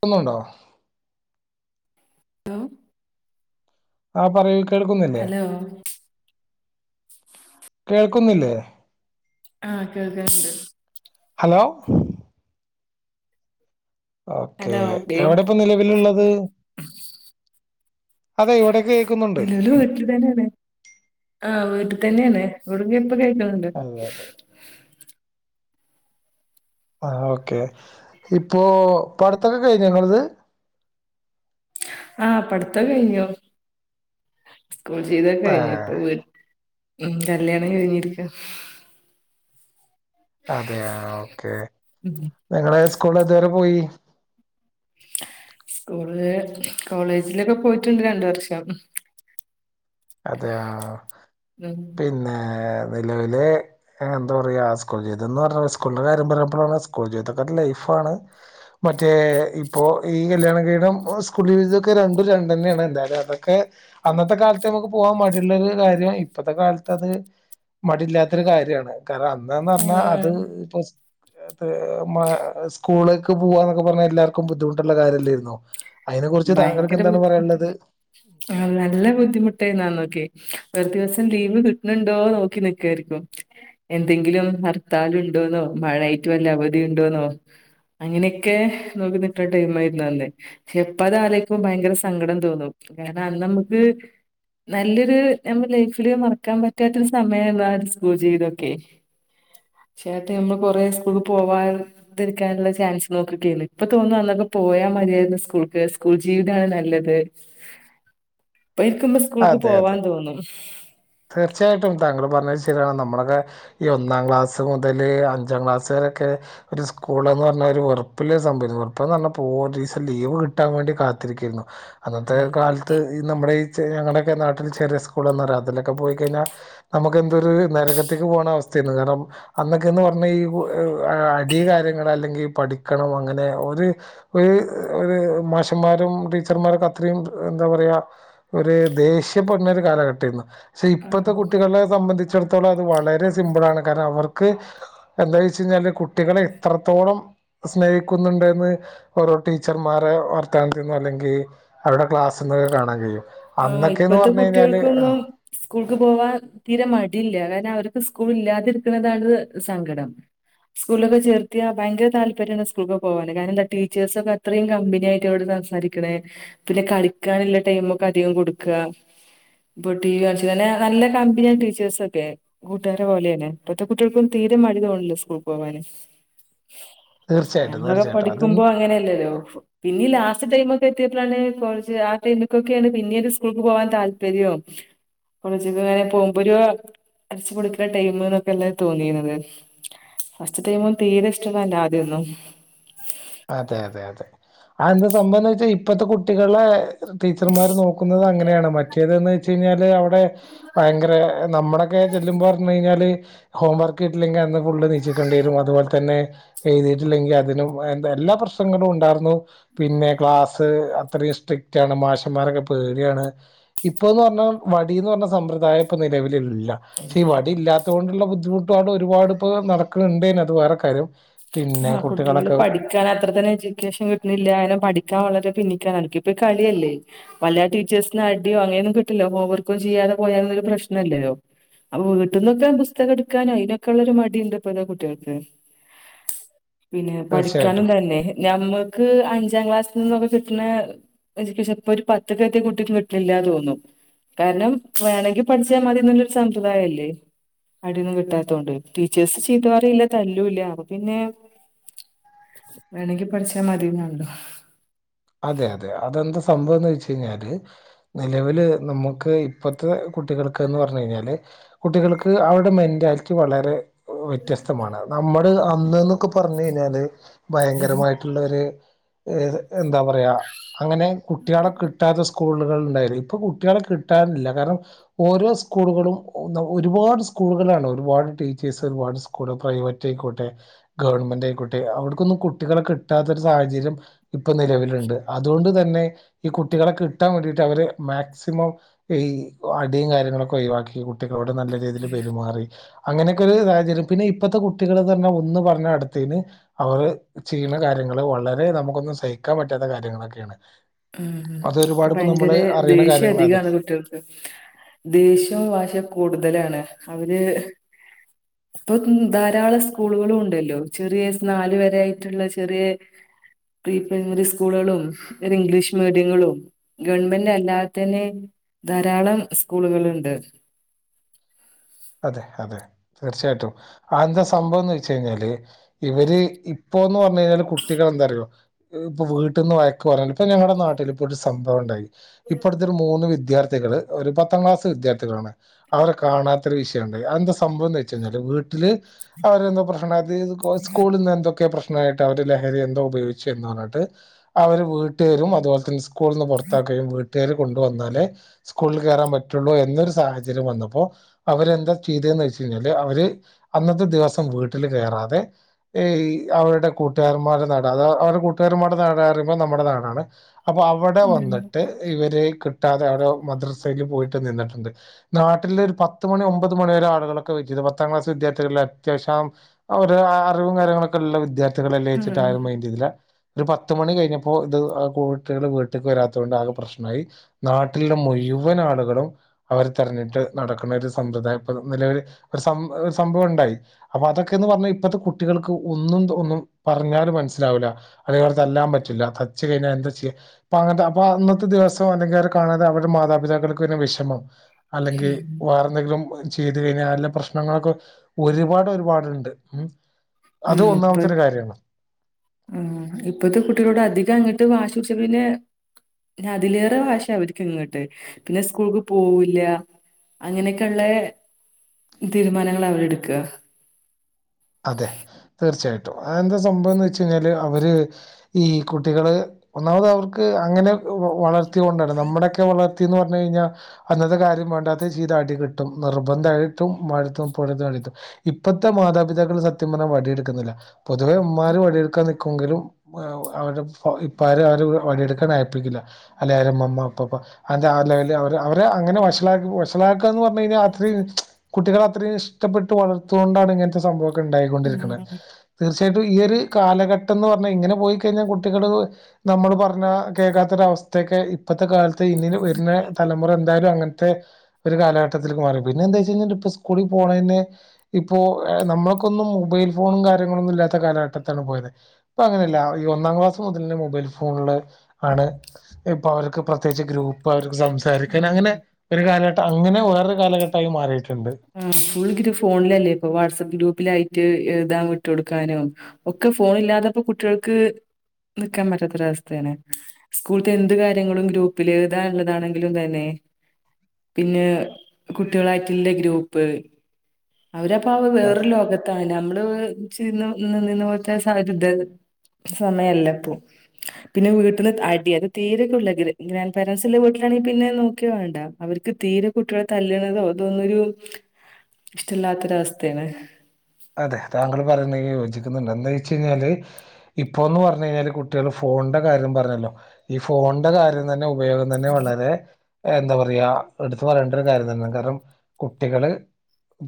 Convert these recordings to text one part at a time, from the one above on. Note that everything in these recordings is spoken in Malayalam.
ക്ന്നു ണ്ടോ ഹലോ ആഹ് പറയൂ കേൾക്കുന്നില്ലേ ഹലോ കേൾക്കുന്നില്ലേ ആഹ് കേൾക്കിണ്ട് ഹലോ ഓക്കെ ഹലോ ഏ എവിടെ ഇപ്പൊ നിലവിലുള്ളത് അതെ ഇവിടെ കേൾക്കുന്നുണ്ട് നിലവിലെ വീട്ടിൽ തന്നെയാണ് ആഹ് വീ - ഇവിടെത്തന്നെയാണ് ഇവിട എപ്പ കേക്കിണ്ട് അതെ അതെ ആ ഓക്കെ ഇപ്പോ പടത്തൊക്കെ കഴിഞ്ഞോ ങ്ങളത് ആഹ് പടുതോക്കെ കഴിഞ്ഞ് സ്കൂൾ ജീവിതമൊക്ക ആ കഴിഞ്ഞ് അപ്പ ഉ കല്യാണം കഴിഞ്ഞിരിക്ക അതെയ ഓക്കെ ഉം നിങ്ങള് സ്കൂളിൽ ഇതുവരെ പോയി സ്കൂളിലെ കോളേജിലൊക്കെ പോയിട്ടുണ്ട് രണ്ട് വർഷം അതെയ ഉം പിന്നെ നിലവിലെ എന്താ പറയുക സ്കൂൾ ജീതം എന്ന് പറഞ്ഞ സ്കൂളില് കാര്യം പറഞ്ഞപ്പോഴാണ് സ്കൂൾ ജീവിതൊക്കെ ലൈഫ് മാണ് മറ്റേ ഇപ്പോ ഈ ല്യാണം കഴിഞ്ഞിട്ട് സസ്കൂളിൽ ജീവിതം രണ്ടും രണ്ടന്നെയാണ് എന്തായാലും അതൊക്കെ അന്നത്തെ കാലത്ത് ഇ നമുക്ക് പോവാൻ മടിള്ളൊരു കാര്യം ഇപ്പോത്തെ കാലത്ത് അത് മടിില്ലാത്തൊരു കാര്യമാണ് കാരണം അന്നന്ന് പറഞ്ഞാ അത് ഉം ഇപ്പൊ സ്കൂളിലേക്ക് പോവാന്നൊക്കെ പറഞ്ഞാൽ എല്ലാർക്കും ബുദ്ധിമുട്ടുള്ള കാര്യമല്ലായിരുന്നു ഭയങ്കര ബുദ്ധിമുട്ടല്ലോ ആ നല്ല ബുദ്ധിമുട്ട് ട്ട എന്നാ നോക്കെ ഒരു ദിവസം ലീവ് കിട്ടുന്നുണ്ടോ നോക്കി നിക്കായിരിക്കും എന്തെങ്കിലും ഭർത്താല ഉണ്ടോന്നോ മഴായിറ്റ വല്ല അവധി ഉണ്ടോന്നോ അങ്ങനെയൊക്കെ നോക്കി നട്ട ടൈം ആയിരുന്ന അല്ലേ അപ്പ അത ആാലേക്കും ഭയങ്കര സങ്കടം തോന്നും കാരണം അ നമുക്ക് നല്ലൊരു നമ്മ ലൈഫില് മറക്കാൻ പറ്റാത്തൊരു സമയന്ത സ്കൂൾ ചെയീവിതൊക്കെ ചേട്ടി നമ്മള് കൊറെ സ്കൂൾക്ക് പോവാാതിരിക്കാനുള്ള ചാൻസ് നോക്കക്കല്ല ഇപ്പൊ തോന്നുന്നു അന്നൊക്കെ പോയാ മതിയായിരുന്നു സ്കൂൾക്ക് സ്കൂൾ ജീവിതാണ് നല്ലത് ഇരിക്കുമ്പോ സ്കൂൾക്ക് അതെ അതെ പോവാൻ തോന്നും തീർച്ചയായിട്ടും താങ്കൾ പറഞ്ഞത് ശരിയാണ് നമ്മളൊക്കെ ഈ ഒന്നാം ക്ലാസ് മുതൽ അഞ്ചാം ക്ലാസ്സ് ൊക്കെ ഒരു സ്കൂൾ എന്ന് പറഞ്ഞ ഒരു വെറപ്പില സംഭവിച്ച വെറപ്പ്ന്ന് പറഞ്ഞാൽ പോലീസ് ലീവ് കിട്ടാൻ വേണ്ടി കാത്തിരിക്കുന്നു അന്നത്തെ ഉം കാലത്ത് ഈ നമ്മുടെ ഈ ഞങ്ങളുടെൊക്കെ നാട്ടിൽ ചെറിയ സ്കൂളന്ന പറയാ അതിലൊക്കെ പോയി കഴിഞ്ഞാൽ നമുക്ക് എന്ത ഒരു നരകത്തേക്ക് പോകുന്ന അവസ്ഥയന്ന് കാരണം അന്നൊക്കെന്ന് പറഞ്ഞ അാര്യങ്ങ അല്ലെങ്കിൽ പഠണം അങ്ങനെ രും ടീച്ചർമാർക്ക അത്രയും എന്താ പറയാ ഒരു ദേഷീയപഞ്ഞൊ ഒരു കാലഘട്ടംന്ന് പക്ഷെ ഉം ഇപ്പഴത്തെ കുട്ടികളെ സംബന്ധിച്ച് ച്ചിടത്തോളം അത് വളരെ സിമ്പിൾ ആണ് കാരണം അവർക്ക് എന്താ വെച്ച് കഴിഞ്ഞാല് കുട്ടികളെ എത്രത്തോളം സ്നേഹിക്കുന്നുണ്ടന്ന് ഓരോ ടീച്ചർമാരെ വർത്ത ചെയുന്നു അല്ലെങ്കിൽ അവരുടെ ക്ലാസ് ആസന്തകൾ കാണാ കഴിയും ആഹ അന്നൊക്കെന്ന് ഇപ്പത്തെ പറഞ്ഞു കഴിഞ്ഞാല് കുട്ടികൾക്കൊന്നും സ്കൂൾക്ക് പോവാൻ തീരെ മടിയില്ല കാരണം അവർക്ക് സ്കൂൾ ഇല്ലാതിരിക്കുന്നതാണ് സങ്കടം സ്കൂളൊക്കെ ചേർത്തിയാ ഭയര താല്പര്യമാണ് സ്കൂളക്ക പോകാനാന് കാരണംന്താ ടീച്ചേഴസൊക്കെ അത്രയും കമ്പിനിയായിട്ട് സംസാരിക്കണേ പിന്നെ കളിക്കാനുള്ള ടൈമ ഒക്കെ അധികം കൊടുക്കുക ഇപ്പൊ ടി വി കാളെ നല്ല കമ്പ ഞാൻ ടീച്ചേഴസ് ഒക്കെ കൂട്ടുകാരെ പോലെെയെ ഇത്തെ കുട്ടികൾക്കും തീരെ മടിതോണല്ലോ സ്കൂൾ പോവാന് തീർച്ചയായിട്ടും ഞമ്മളൊക്കെ തീർച്ചയായിട്ടും അതും പഠിക്കുമ്പോ അങ്ങനെയല്ലല്ലോ പിന്നീ ലാസ്റ്റ് ടൈമ ഒക്ക എത്തിയപ്പോഴാണ് കോളേജ് ആടൈമിക്കൊക്കെയാണ് പിന്നീ ഒരു സ്കൂൾക്ക് പോവാൻ താല്പര്യവും കോളേജ ഇങ്ങനെ പോകുമ്പോ ഒരു അരച്ച കൊടുക്കുന്ന ടൈമ എന്നൊക്കെല്ല തോന്നിയിുന്നത് ഫസ്റ്റ് ടൈ്പോൾ തീരെ ഇഷ്ടന്നാ എൻന്റെറെ ആദ്യൊന്നും അതെ അതെ അതെ ആന്ത സംഭവം വെച്ചാൽ ഇപ്പത്തെ കുട്ടികളെ ടീച്ചർമാർ നോക്കുന്നത് അങ്ങനെയാണ് മറ്റേത്ന്ന് വെച്ച് കഴിഞ്ഞാല് ഭയങ്കര നമ്മളൊക്കെ ചെല്ലുമ്പ പറഞ്ഞു കഴിഞ്ഞാല് ഹോം വർക്ക്ിട്ടില്ലെങ്ക അന്ന് ഫുള്ള് നീച്ചിക്കേണ്ടി വരും അതുപോലെ തന്നെ എഴുതിട്ടില്ലെങ്കിൽ അതിനും എല്ലാ പ്രശ്നങ്ങളും ഉണ്ടായിരുന്നു പിന്നെ ക്ലാസ്സ് അത്രയും സ്ട്രിക് ാണ് മാഷന്മാരൊക്കെ പേടിയാണ് ഇപ്പ എന്ന് പറഞ്ഞാൽ വടിന്ന് പറഞ്ഞ സമ്പ്രദായം ഇപ്പ നിലവിലുള്ള പക്ഷെഈ വടി ഇല്ലാത്ത കൊണ്ടുള്ള ബുദ്ധിമുട്ടാണ് ഒരുപാട് ഇപ്പോ നടക്കുന്നുണ്ടേന്ന അത് വേറെ കാര്യം പിന്നെ കുട്ടികളൊക്കെ ൻ അത്ര തന്നെ എഡ്യൂക്കേഷൻ കിട്ടുന്നില്ലനെ പഠിക്കാൻ വളരെ പിന്നിക്കൻ എനക്ക്ിപ്പ കളിയല്ലേ വല്ല ട ജസ്ന് അടിയോ അങ്ങനെയൊന്നും കിട്ടില്ലോ ഓവർക്കും ചെയ്യാതെ പോയന്നൊരു പ്രശ്നമല്ലോ അപ്പൊ വീട്ടിൽന്നൊക്കെ പുസ്തകം എടുക്കാനോ അതിനൊക്കെ ഉള്ളരു മടിുണ്ട് ഇപ്പതാ കുട്ടികൾക്ക് പിന്നെ തീർച്ചയായിട്ടും പഠിക്കാനുണ്ട തന്നെ നഞമ്മക്ക് അഞ്ചാം ക്ലാസ് ൊക്കെ കിട്ടണ ഇപ്പൊ ഒരു പത്ത് കത്തെ കുട്ടിക്ക് കിട്ടില്ലന്ന് തോന്നുന്നു കാരണം വേണമെങ്കിൽ പഠിച്ചാൽ മതിന്നുള്ളരു സമ്പ്രദായം അല്ലേ അടന്നും കിട്ടാത്തതൊണ്ട് ടീച്ചേഴ്സ് ചീത പററിയില്ല തല്ലൂല്ല പിന്നെ വേണെങ്കി പഠിച്ചാ മതിന്നാല്ലോ അതെ അതെ അതെന്താ സംഭവംന്ന് വച്ച കഴിഞ്ഞാല് നിലവില് നമുക്ക് ഇപ്പത്തെ കുട്ടികൾക്ക്ന്ന് പറഞ്ഞു കഴിഞ്ഞാല് കുട്ടികൾക്ക് അവരുടെ മെന്റാലിറ്റി വളരെ ഒരു വ്യത്യതമാണ് നമ്മള് അന്ന്ന്നൊക്കെ പറഞ്ഞു കഴിഞ്ഞാല് ഭയങ്കരമായിട്ടുള്ളര് എ എന്താ പറയാ അങ്ങനെ കുട്ടികളെ കിട്ടാത്ത സ്കൂളുകളി ഇപ്പൊ കുട്ടികളെ കിട്ടാനില്ല കാരണം ഓരോ സ്കൂളുകളും ഒരുപാട് സ്കൂളുകളാണ് ഒരുപാട് ടീച്ചേഴ്സ് ഒരുപാട് സ്കൂള് പ്രൈവറ്റ് ആയിക്കോട്ടെ ഗവൺമെന്റ് ആയിക്കോട്ടെ അവിടക്കൊന്ന് കുട്ടികളേകി കിട്ടാത്തൊരു സാഹചര്യം ഇപ്പൊ നിലവിലുണ്ട് അതുകൊണ്ട് തന്നെ ഈ കുട്ടികളെെ കിട്ടാൻ വേണ്ടിട്ട് അവര് മാക്സിമംഈ ഈ അടിയും കാര്യങ്ങളൊക്കെ ഒഴിവാക്കി കുട്ടികളോട് നല്ല രീതിൽ പെരുമാറി അങ്ങനെയൊക്കൊ ഒരു സാഹചര്യം പിന്നെ ഇപ്പഴത്തെ കുട്ടികള് തന്നെ ഒന്ന് പറഞ്ഞ അടുത്തേന് അവര്അ ചെയ്യണ കാര്യങ്ങള് വളരെ നമുക്കൊന്നും സഹിക്കാൻ പറ്റാത്ത കാര്യങ്ങളൊക്കെയാണ് ഉഉം അത് ഇപ്പൊ ഒരുപാട് ഇപ്പോ ഭയങ്കര നമ്മള് അറിയണ ദേഷ്യം കാര്യങ്ങളാ അധികാണ് കുട്ടികൾക്ക് ദേഷ്യവും വാശികൂടുതലാണ് അവര് ഇപ്പൊ പി ധാരാളം സ്കൂളുകളും ഉണ്ടല്ലോ ചെറിയ നാല വര ആായിട്ടുള്ള ചെറിയ പ്രീ പ്രൈമറി സ്കൂളുകളും ഇംഗ്ലീഷ് മീഡിയങ്ങളും ഗവൺമെന്റി അല്ലാതെ തന്നെ ധാരാളം സ്കൂളുകള്ണ്ട് [unintelligible] അതെ അതെ തീർച്ചയായിട്ടും അതെന്താ സംഭവം എന്ന് വെച്ച് കഴിഞ്ഞാല് ഇവര് ഇപ്പോ എന്ന് പറഞ്ഞ കഴിഞ്ഞാല് കുട്ടികൾ എന്താറിയോ ഇപ്പൊ വീട്ടിൽന്ന് വയക്ക് പറഞ്ഞ ഇപ്പ ഞങ്ങളുടെ നാട്ടില്ല് ഇപ്പോ ഒരു സംഭവം ഉണ്ടായി ഇപ്പോഴത്തെ ഒരു മൂന്ന് വിദ്യാർത്ഥികള് ഒരു പത്താം ക്ലാസ് വിദ്യാർത്ഥികളാണ് അവരെ കാണാ ഒര് വിഷയഇണ്ടായി അത് എന്താ സംഭവ എന്ന് വെച്ച് കഴിഞ്ഞാല് വീട്ടില് അവരെന്തോ പ്രശ്ണ അത് കോയസ്കൂളിന്ന് എന്തൊക്കെ പ്രശ് യിട്ട് അവര് ലഹരി എന്തോ ഉപയോഗിച്ചു എന്ന് പറഞ്ഞിട്ട് അവര് വീട്ടുകേരും അതുപോലെതന്നെ സ്കൂ സ്കൂളന്ന് പുറത്താക്കുകയുംവീട്ടി കുട്ടേര് കൊണ്ടുവന്നാലേ സ്കൂളിൽ കേയറാൻ പറ്റുള്ളൂ എന്നൊരു സാഹചര്യം വന്നപ്പോ അവരെന്താ ചെയ്തെന്ന് വെച്ച കഴിഞ്ഞാല് അവര് അന്നത്തെ ദിവസം വീട്ടില് കയറാതെ എ ഇ അവരുടെ കൂട്ടുകാർമാരുടെ നാട അത അവരുടെ കൂട്ടുകാർമാടെ നാടന്ന് അറിമ്പോ നമ്മുടെ നാടാണ് അപ്പൊ അവിടെ ഉം വന്നിട്ട് ഇവരെകി കിട്ടാതെ അവിടെ മദ്രസയ്ക്ക് പോയിട്ട് നിന്നിട്ടുണ്ട് നാട്ടില ഒരു പത്ത് പത്ത് മണി ഒമ്പത് മണിരെ ആളുകളൊക്കെ വെറ്റത് പത്താം ക്ലാസ് വിദ്യർത്ഥികളല്ലേ അത്യാവശ്യം ഒരു അറിവും കാര്യങ്ങളൊക്കെഇൻ വിദ്യാർത്ഥികളല്ലേച്ചിട്ടാരുംമൈൻഡ് ചെയ്തില്ല ഒരു പത്ത് മണി കഴിഞ്ഞപ്പോ ഇത് ആ കു കുട്ടികള് വീട്ടേക്ക് വരാതോണ്ട് ആകെ പ്രശ്നആയി നാട്ടിലുള്ള മൊഴി യുവൻ ആളുകളും അവർ തെരഞ്ഞിട്ട് നടക്കണ ഒരുസ സമ്പ്രദായം ഇപ്പ നിലവില് ഒര് സ സംഭവം ഉണ്ടായി അപ്പൊ അതൊക്കെന്ന് പറഞ്ഞാൽ ഇപ്പോഴത്തെ കുട്ടികൾക്ക് ഒന്നും തോന്നും പറഞ്ഞാലും മനസ്സിലാവില്ല അതല്ലേ അവരെ തല്ലാൻ പറ്റില്ല തച്ച് കഴിഞ്ഞാൽ എന്താ ചെയ്യ അങ്ങനെ അപ്പ അന്നത്തെ ദിവസം അല്ലെങ്കിൽ അവരെകാണാതെ അവരുടെമാതാപിതാക്കൾക്ക് പിന്നെ വിഷമം അല്ലെങ്കിൽ വ ഉം എന്തെങ്കിലും ചെയ്ത് കഴിഞ്ഞാഅരില് പ്രശ്നങ്ങളൊക്കെ ഒരുപാട് ഒരുപാടുണ്ട് ഉഹ് അത് ഒന്നാമത്തൊരു കാര്യമാണ് മ്മ് ഇപ്പത്തെ കുട്ടികളോട് അധികം അങ്ങിട്ട് വാശിഷേക്കില്ല് പിന്നെ അതിലേറെ വാശിയ അവരിക്ക് ഇങ്ങട്ട് പിന്നെ സ്കൂൾക്ക് പോവില്ല അങ്ങനെയൊക്കെയുള്ള തീരുമാനങ്ങൾ അവരെ എടുക്ക അതെ തീർച്ചയായി ട്ടും അത് എന്താ സംഭവം എന്ന് വെച്ച് കഴിഞ്ഞാല് അവര് ഈ കുട്ടികള് ഒന്നാമത് അവർക്ക് അങ്ങനെ വളർത്തി കൊണ്ടാണ് നമ്മുടെയൊക്കെ വളർത്തിന്ന് പറഞ്ഞ്കഴിഞ്ഞാ അന്നത്തെ കാര്യം വേണ്ടാത്ത ചെയ്ത അടി കിട്ടും നിർബന്ധായിട്ടും ഉമ്മാൻ്റെട്ത്തും ഉപ്പാൻ്റെട്ത്തും അടി കിട്ടും. ഇപ്പത്തെ മാതാപിതാക്ക ക്കൾ സത്യം പറഞ്ഞ വടിയെടുക്കുന്നില്ല പൊതുവെ ഉമ്മാര് വടിയെടുക്കാൻ നിക്കുമെങ്കിലും അവ അവര്ടെ ഇപ്പാര് ര് അവരെ വടി എടുക്കാൻ അയ്പ്പിക്കില്ല അല്ലെ ആര് ഉമ്മുമ്മ ഉപ്പുപ്പാ അയ്‌ന്റെഅ ആ ലെവലി അവരെങ്ങനെ വഷള [unintelligible] വഷളാക്കാന്ന്പറഞ്ഞ് കഴിഞ്ഞാ അത്രിം കുട്ടികൾ അത്രിം ഇഷ്ടപ്പെട്ട് വളർത്തിയോണ്ടാണ് ഇങ്ങനത്തെ സംഭവ ക്കെ ഉണ്ടായിക്കൊണ്ടിരിക്കണേ തീർച്ചയായി ട്ടും ഈയൊര് കാലഘട്ടംന്ന് പറഞ്ഞാൽ ഇങ്ങനെ പോയി കഴിഞ്ഞാൽ കുട്ടികൾ നമ്മള് പറഞ്ഞ കേൾക്കാത്തൊരവസ്ഥ ത്തക്കെ ഇപ്പത്തെ കാലത്ത് ഇനി വര്ണ തലമുറ എന്തായാലും അങ്ങൻ ത്തെ ഒരു കാലഘട്ടത്തിൽക്ക് മാറി പിന്നെ എന്താച്ചഴിഞ്ഞാൽ ഇപ്പ സ്കൂളിൽ പോണെന് ഇപ്പോ നമ്മള് ക്കൊന്നും മൊബൈൽ ഫോണും കാര്യങ്ങളൊന്നും ഇല്ലാത്ത കാലഘട്ടത്താണ് പോയത്. ഇപ്പ അങ്ങനെല്ല ഈ ഒന്നാം ക്ലാസ് മുതലെന്നെ മുബൈ ൽ ഫോണ്ല് ആണ് ഇപ്പൊ അവർക്ക് പ്രത്യേകിച്ച് ഗ്രൂ പ്പായിട്ട് സംസാരിക്കാൻ അങ്ങനെ ഒരു കാലഘട്ടം അങ്ങനെ വേറൊര് കാലഘട്ടായി മാറിട്ട് ആ ഫുൾ ഗ്രു ഫോണിലല്ലേ ഇപ്പം വാട്സപ്പ് ഗ്രൂപ്പിലായി റ്റ് എഴുതാൻ വിട്ടു കൊടുക്കാനും ഒക്കെ ഫോൺ ഇല്ലാത്തപ്പോ കുട്ടികൾക്ക് നിക്കാൻ പറ്റാത്തൊരവസ്ഥയാണ്. സ്കൂളിൽത്തെ എന്ത് കാര്യങ്ങളും ഗ്രൂപ്പിൽ എഴുതാ ഉള്ളതാണെങ്കിലും തന്നെ പിന്നെ കുട്ടികളായിട്ട്ല്ലെ ഗ്രൂപ്പ് അവരപ്പ അവ അത് വേറൊരു ലോകത്താണ് നമ്മള് ച് ന്ന് നിന്നീന്ന പോലത്തെ [unintelligible] സമയല്ല ഇപ്പം. പിന്നെ വീട്ടിന്ന് അടി അത് തീര [unintelligible] ഗ്രാൻഡ് പാരൻസില്ല വീട്ടില് ണെ പിന്നെ നോക്കേ വേണ്ട അവർക്ക് തീരെ കുട്ടികളെ തല്ല്ണതോ ഇതൊന്നൊരു ഇഷ്ടല്ലാത്തൊരവസ്ഥയാണ് അതെ താങ്കൾ പറയുന്നെൽ യോജിക്കുന്നുണ്ട് എന്താ ച്ചയ്ഞ്ഞാല് ഇപ്പം ന്ന് പറഞ്ഞ് കഴിഞ്ഞാല് കുട്ടികൾ ഫോണിന്റെ കാര്യം പറഞ്ഞല്ലോ ഈ ഫോണിന്റെ കാര്യം തന്നെ ഉപയോഗം തന്നെ വളരെ എന്താ പറയാ എടുത്തു പറയേണ്ട ഒരു കാര്യം തന്നെയാണ് കാരണം കുട്ടികള്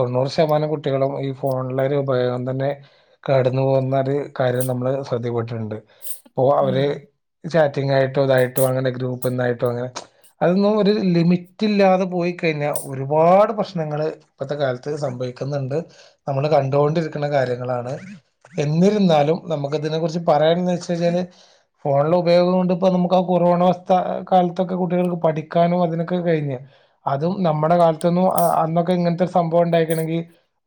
തൊണ്ണൂറ് ശതമാനം കുട്ടികളും ഈ ഫോണിലൊരു ഉപയോഗം തന്നെ കടന്നു പോകുന്ന ഒരു കാര്യം നമ്മള് ശ്രദ്ധപ്പെട്ടിട്ടുണ്ട് ഇപ്പൊ ഉം അവര് ചാറ്റിങ്ങായിട്ടോ ഇതായിട്ടോ അങ്ങനെ ഗ്രൂപ്പ്ന്നായിട്ടോ അങ്ങനെ അതൊന്നും ഒരു ലിമിറ്റ് ഇല്ലാതെ പോയി കഴിഞ്ഞാൽ ഒരുപാട് പ്രശ്നങ്ങള് ഇപ്പത്തെ കാലത്ത് സംഭ വിക്കുന്നുണ്ട് നമ്മള് കണ്ടുകൊണ്ടിരിക്ണ കാര്യങ്ങളാണ് എന്നിരുന്നാലും നമുക്ക് ഇതിനെ കുറിച്ച് പറയണന്ന് വെച്ചഴിഞ്ഞാല് ഫോണിലെ ഉപയോഗം കൊണ്ട് ഇപ്പോ നമുക്ക് ആ കൊറോണ വസ്ഥ കാലത്തൊക്കെ കുട്ടികൾക്ക് പഠിക്കാനും അതിനൊക്കെ കഴിഞ്ഞ് അതും നമ്മുടെ കാലത്ത് നിന്നും അന്നൊക്കെ ഇങ്ങനത്തെ സംഭവം ഉണ്ടായിരിക്കണങ്കിൽ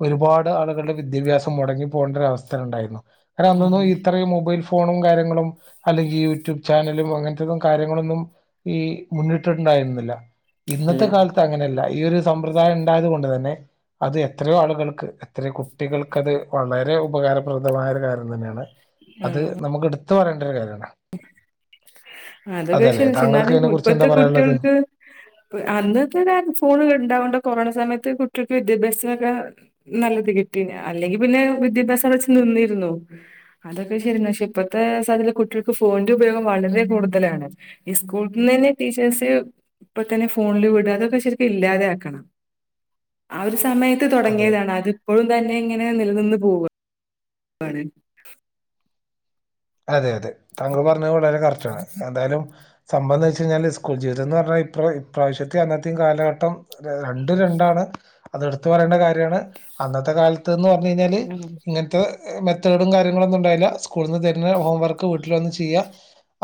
ഒരുപാ ടാളുകളുടെ വിദ്യാഭ്യാസം മുടങ്ങി പോകേണ്ട ഒരു അവസ്ഥ ഉണ്ടായിരുന്നു. കാരണം അന്നൊന്നും ഉം ഇത്രയും മൊബൈൽ ഫോണും കാര്യങ്ങളും അല്ലെങ്കിൽ യൂട്യൂബ് ചാനലും അങ്ങനത്തതും കാര്യങ്ങളൊന്നും ഈ മുന്നിട്ടിട്ട്ണ്ട യിരുന്നില്ല ഇന്നത്തെ അല്ലെ കാലത്ത് അങ്ങനെയല്ല ഈ ഒരു സമ്പ്രദായം ഉണ്ടായത് കൊണ്ട് തന്നെ അത് എത്രയോ ആളുകൾക്ക് ഇത്തിരി കുട്ടികൾക്കത് വളരെ ഉപകാരപ്രദമായൊരു കാര്യം തന്നെയാണ് അത് ഉം നമുക്ക് ഇട് ത്ത് പറയണ്ട ഒരു കാര്യാണ് അതൊക്കെ അതല്ലേ [unintelligible] താങ്കൾക്ക് എന്നാലും അതിനെ കുറിച്ച് ഇപ്പത്തെ എന്താ പറയാനുള്ളത് കുട്ടികൾക്ക് അന്നത്തെ കാലം ഫോണ് ഇണ്ടാവണ്ട കൊറോണ സമയത്ത് കു [unintelligible] വിദ്യാഭ്യാസത്തിനൊക്കെ നല്ലത് കിട്ടീനി. അല്ലെങ്കിൽ പിന്നെ വിദ്യാഭ്യാസം അവ്ടെ വച്ച് നിന്നിരുന്നു അതൊക്കെ ശരി [unintelligible] ക്ഷെ ഇപ്പത്തെ സാഹചര്യത്തില് കു ട്ടിയോൾക്ക് ഫോണിന്റെ ഉപയോഗം വളരെ കൂടുതലാണ്. ഈ സ്കൂൾനന്നെ ടീച്ചേഴ്സ് ഇപ്പ തന്നെ ഫോ ൺല് വിടാ അതൊക്കെ ശരിക്ക് ഇല്ലാതാക്കണം. ആ ഒര് സമയത്ത് അതെ തുടങ്ങിയതാണ് അതിപ്പഴും തന്നെ ഇങ്ങനെ നിലനിന്ന് പോവ വാണ് അതെ അതെ താങ്കൾ പറഞ്ഞത് വളരെ കറക്റ്റ്ാണ് എന്തായാലും സംഭവം വെച്ച കഴിഞ്ഞാൽ സ്കൂൾ ജീവിതം എന്ന് പറഞ്ഞാൽ ഇ ഇപാവശ്യത്തിൽ അന്നേം കാലഘട്ടം രണ്ടും രണ്ടാണ് അത എടുത്ത പറയേണ്ട കാര്യമാണ് അന്നത്തെ കാലത്ത്ന്ന് പറ കഞ്ഞാല് ഉം ഇങ്ങനത്തെ മെത്തേഡും കാര്യങ്ങളൊ ഒന്നും ഉണ്ടല്ല സ്കൂളിൽന്ന് ഹോംവക്ക് വീട്ടിലന്ന് ചെയ്യ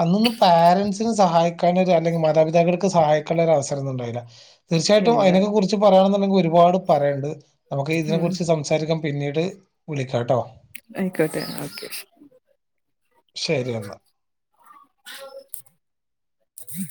അന്നൊന്ന് പാരന്റ്സ സഹ അല്ലെങ്ക മാതാപിതാക്കൾക്ക് സഹായിക്കുള്ള ഒരു അവരംൊന്ന ഉണ്ടായില്ല തീർച്ചയായിട്ടും ഇല്ല അതിനെ കുറിച്ച് പറയാന ഒരുപാട് പറയുണ്ട് നമുക്ക് ഇതിനെ ഉം കുുറിച്ച് സംസാരിക്കാൻ പിന്നീട് വിളിക്കാം കേട്ടോ ആയിക്കട്ട ക്കേഷ ശരി എന്നാൽ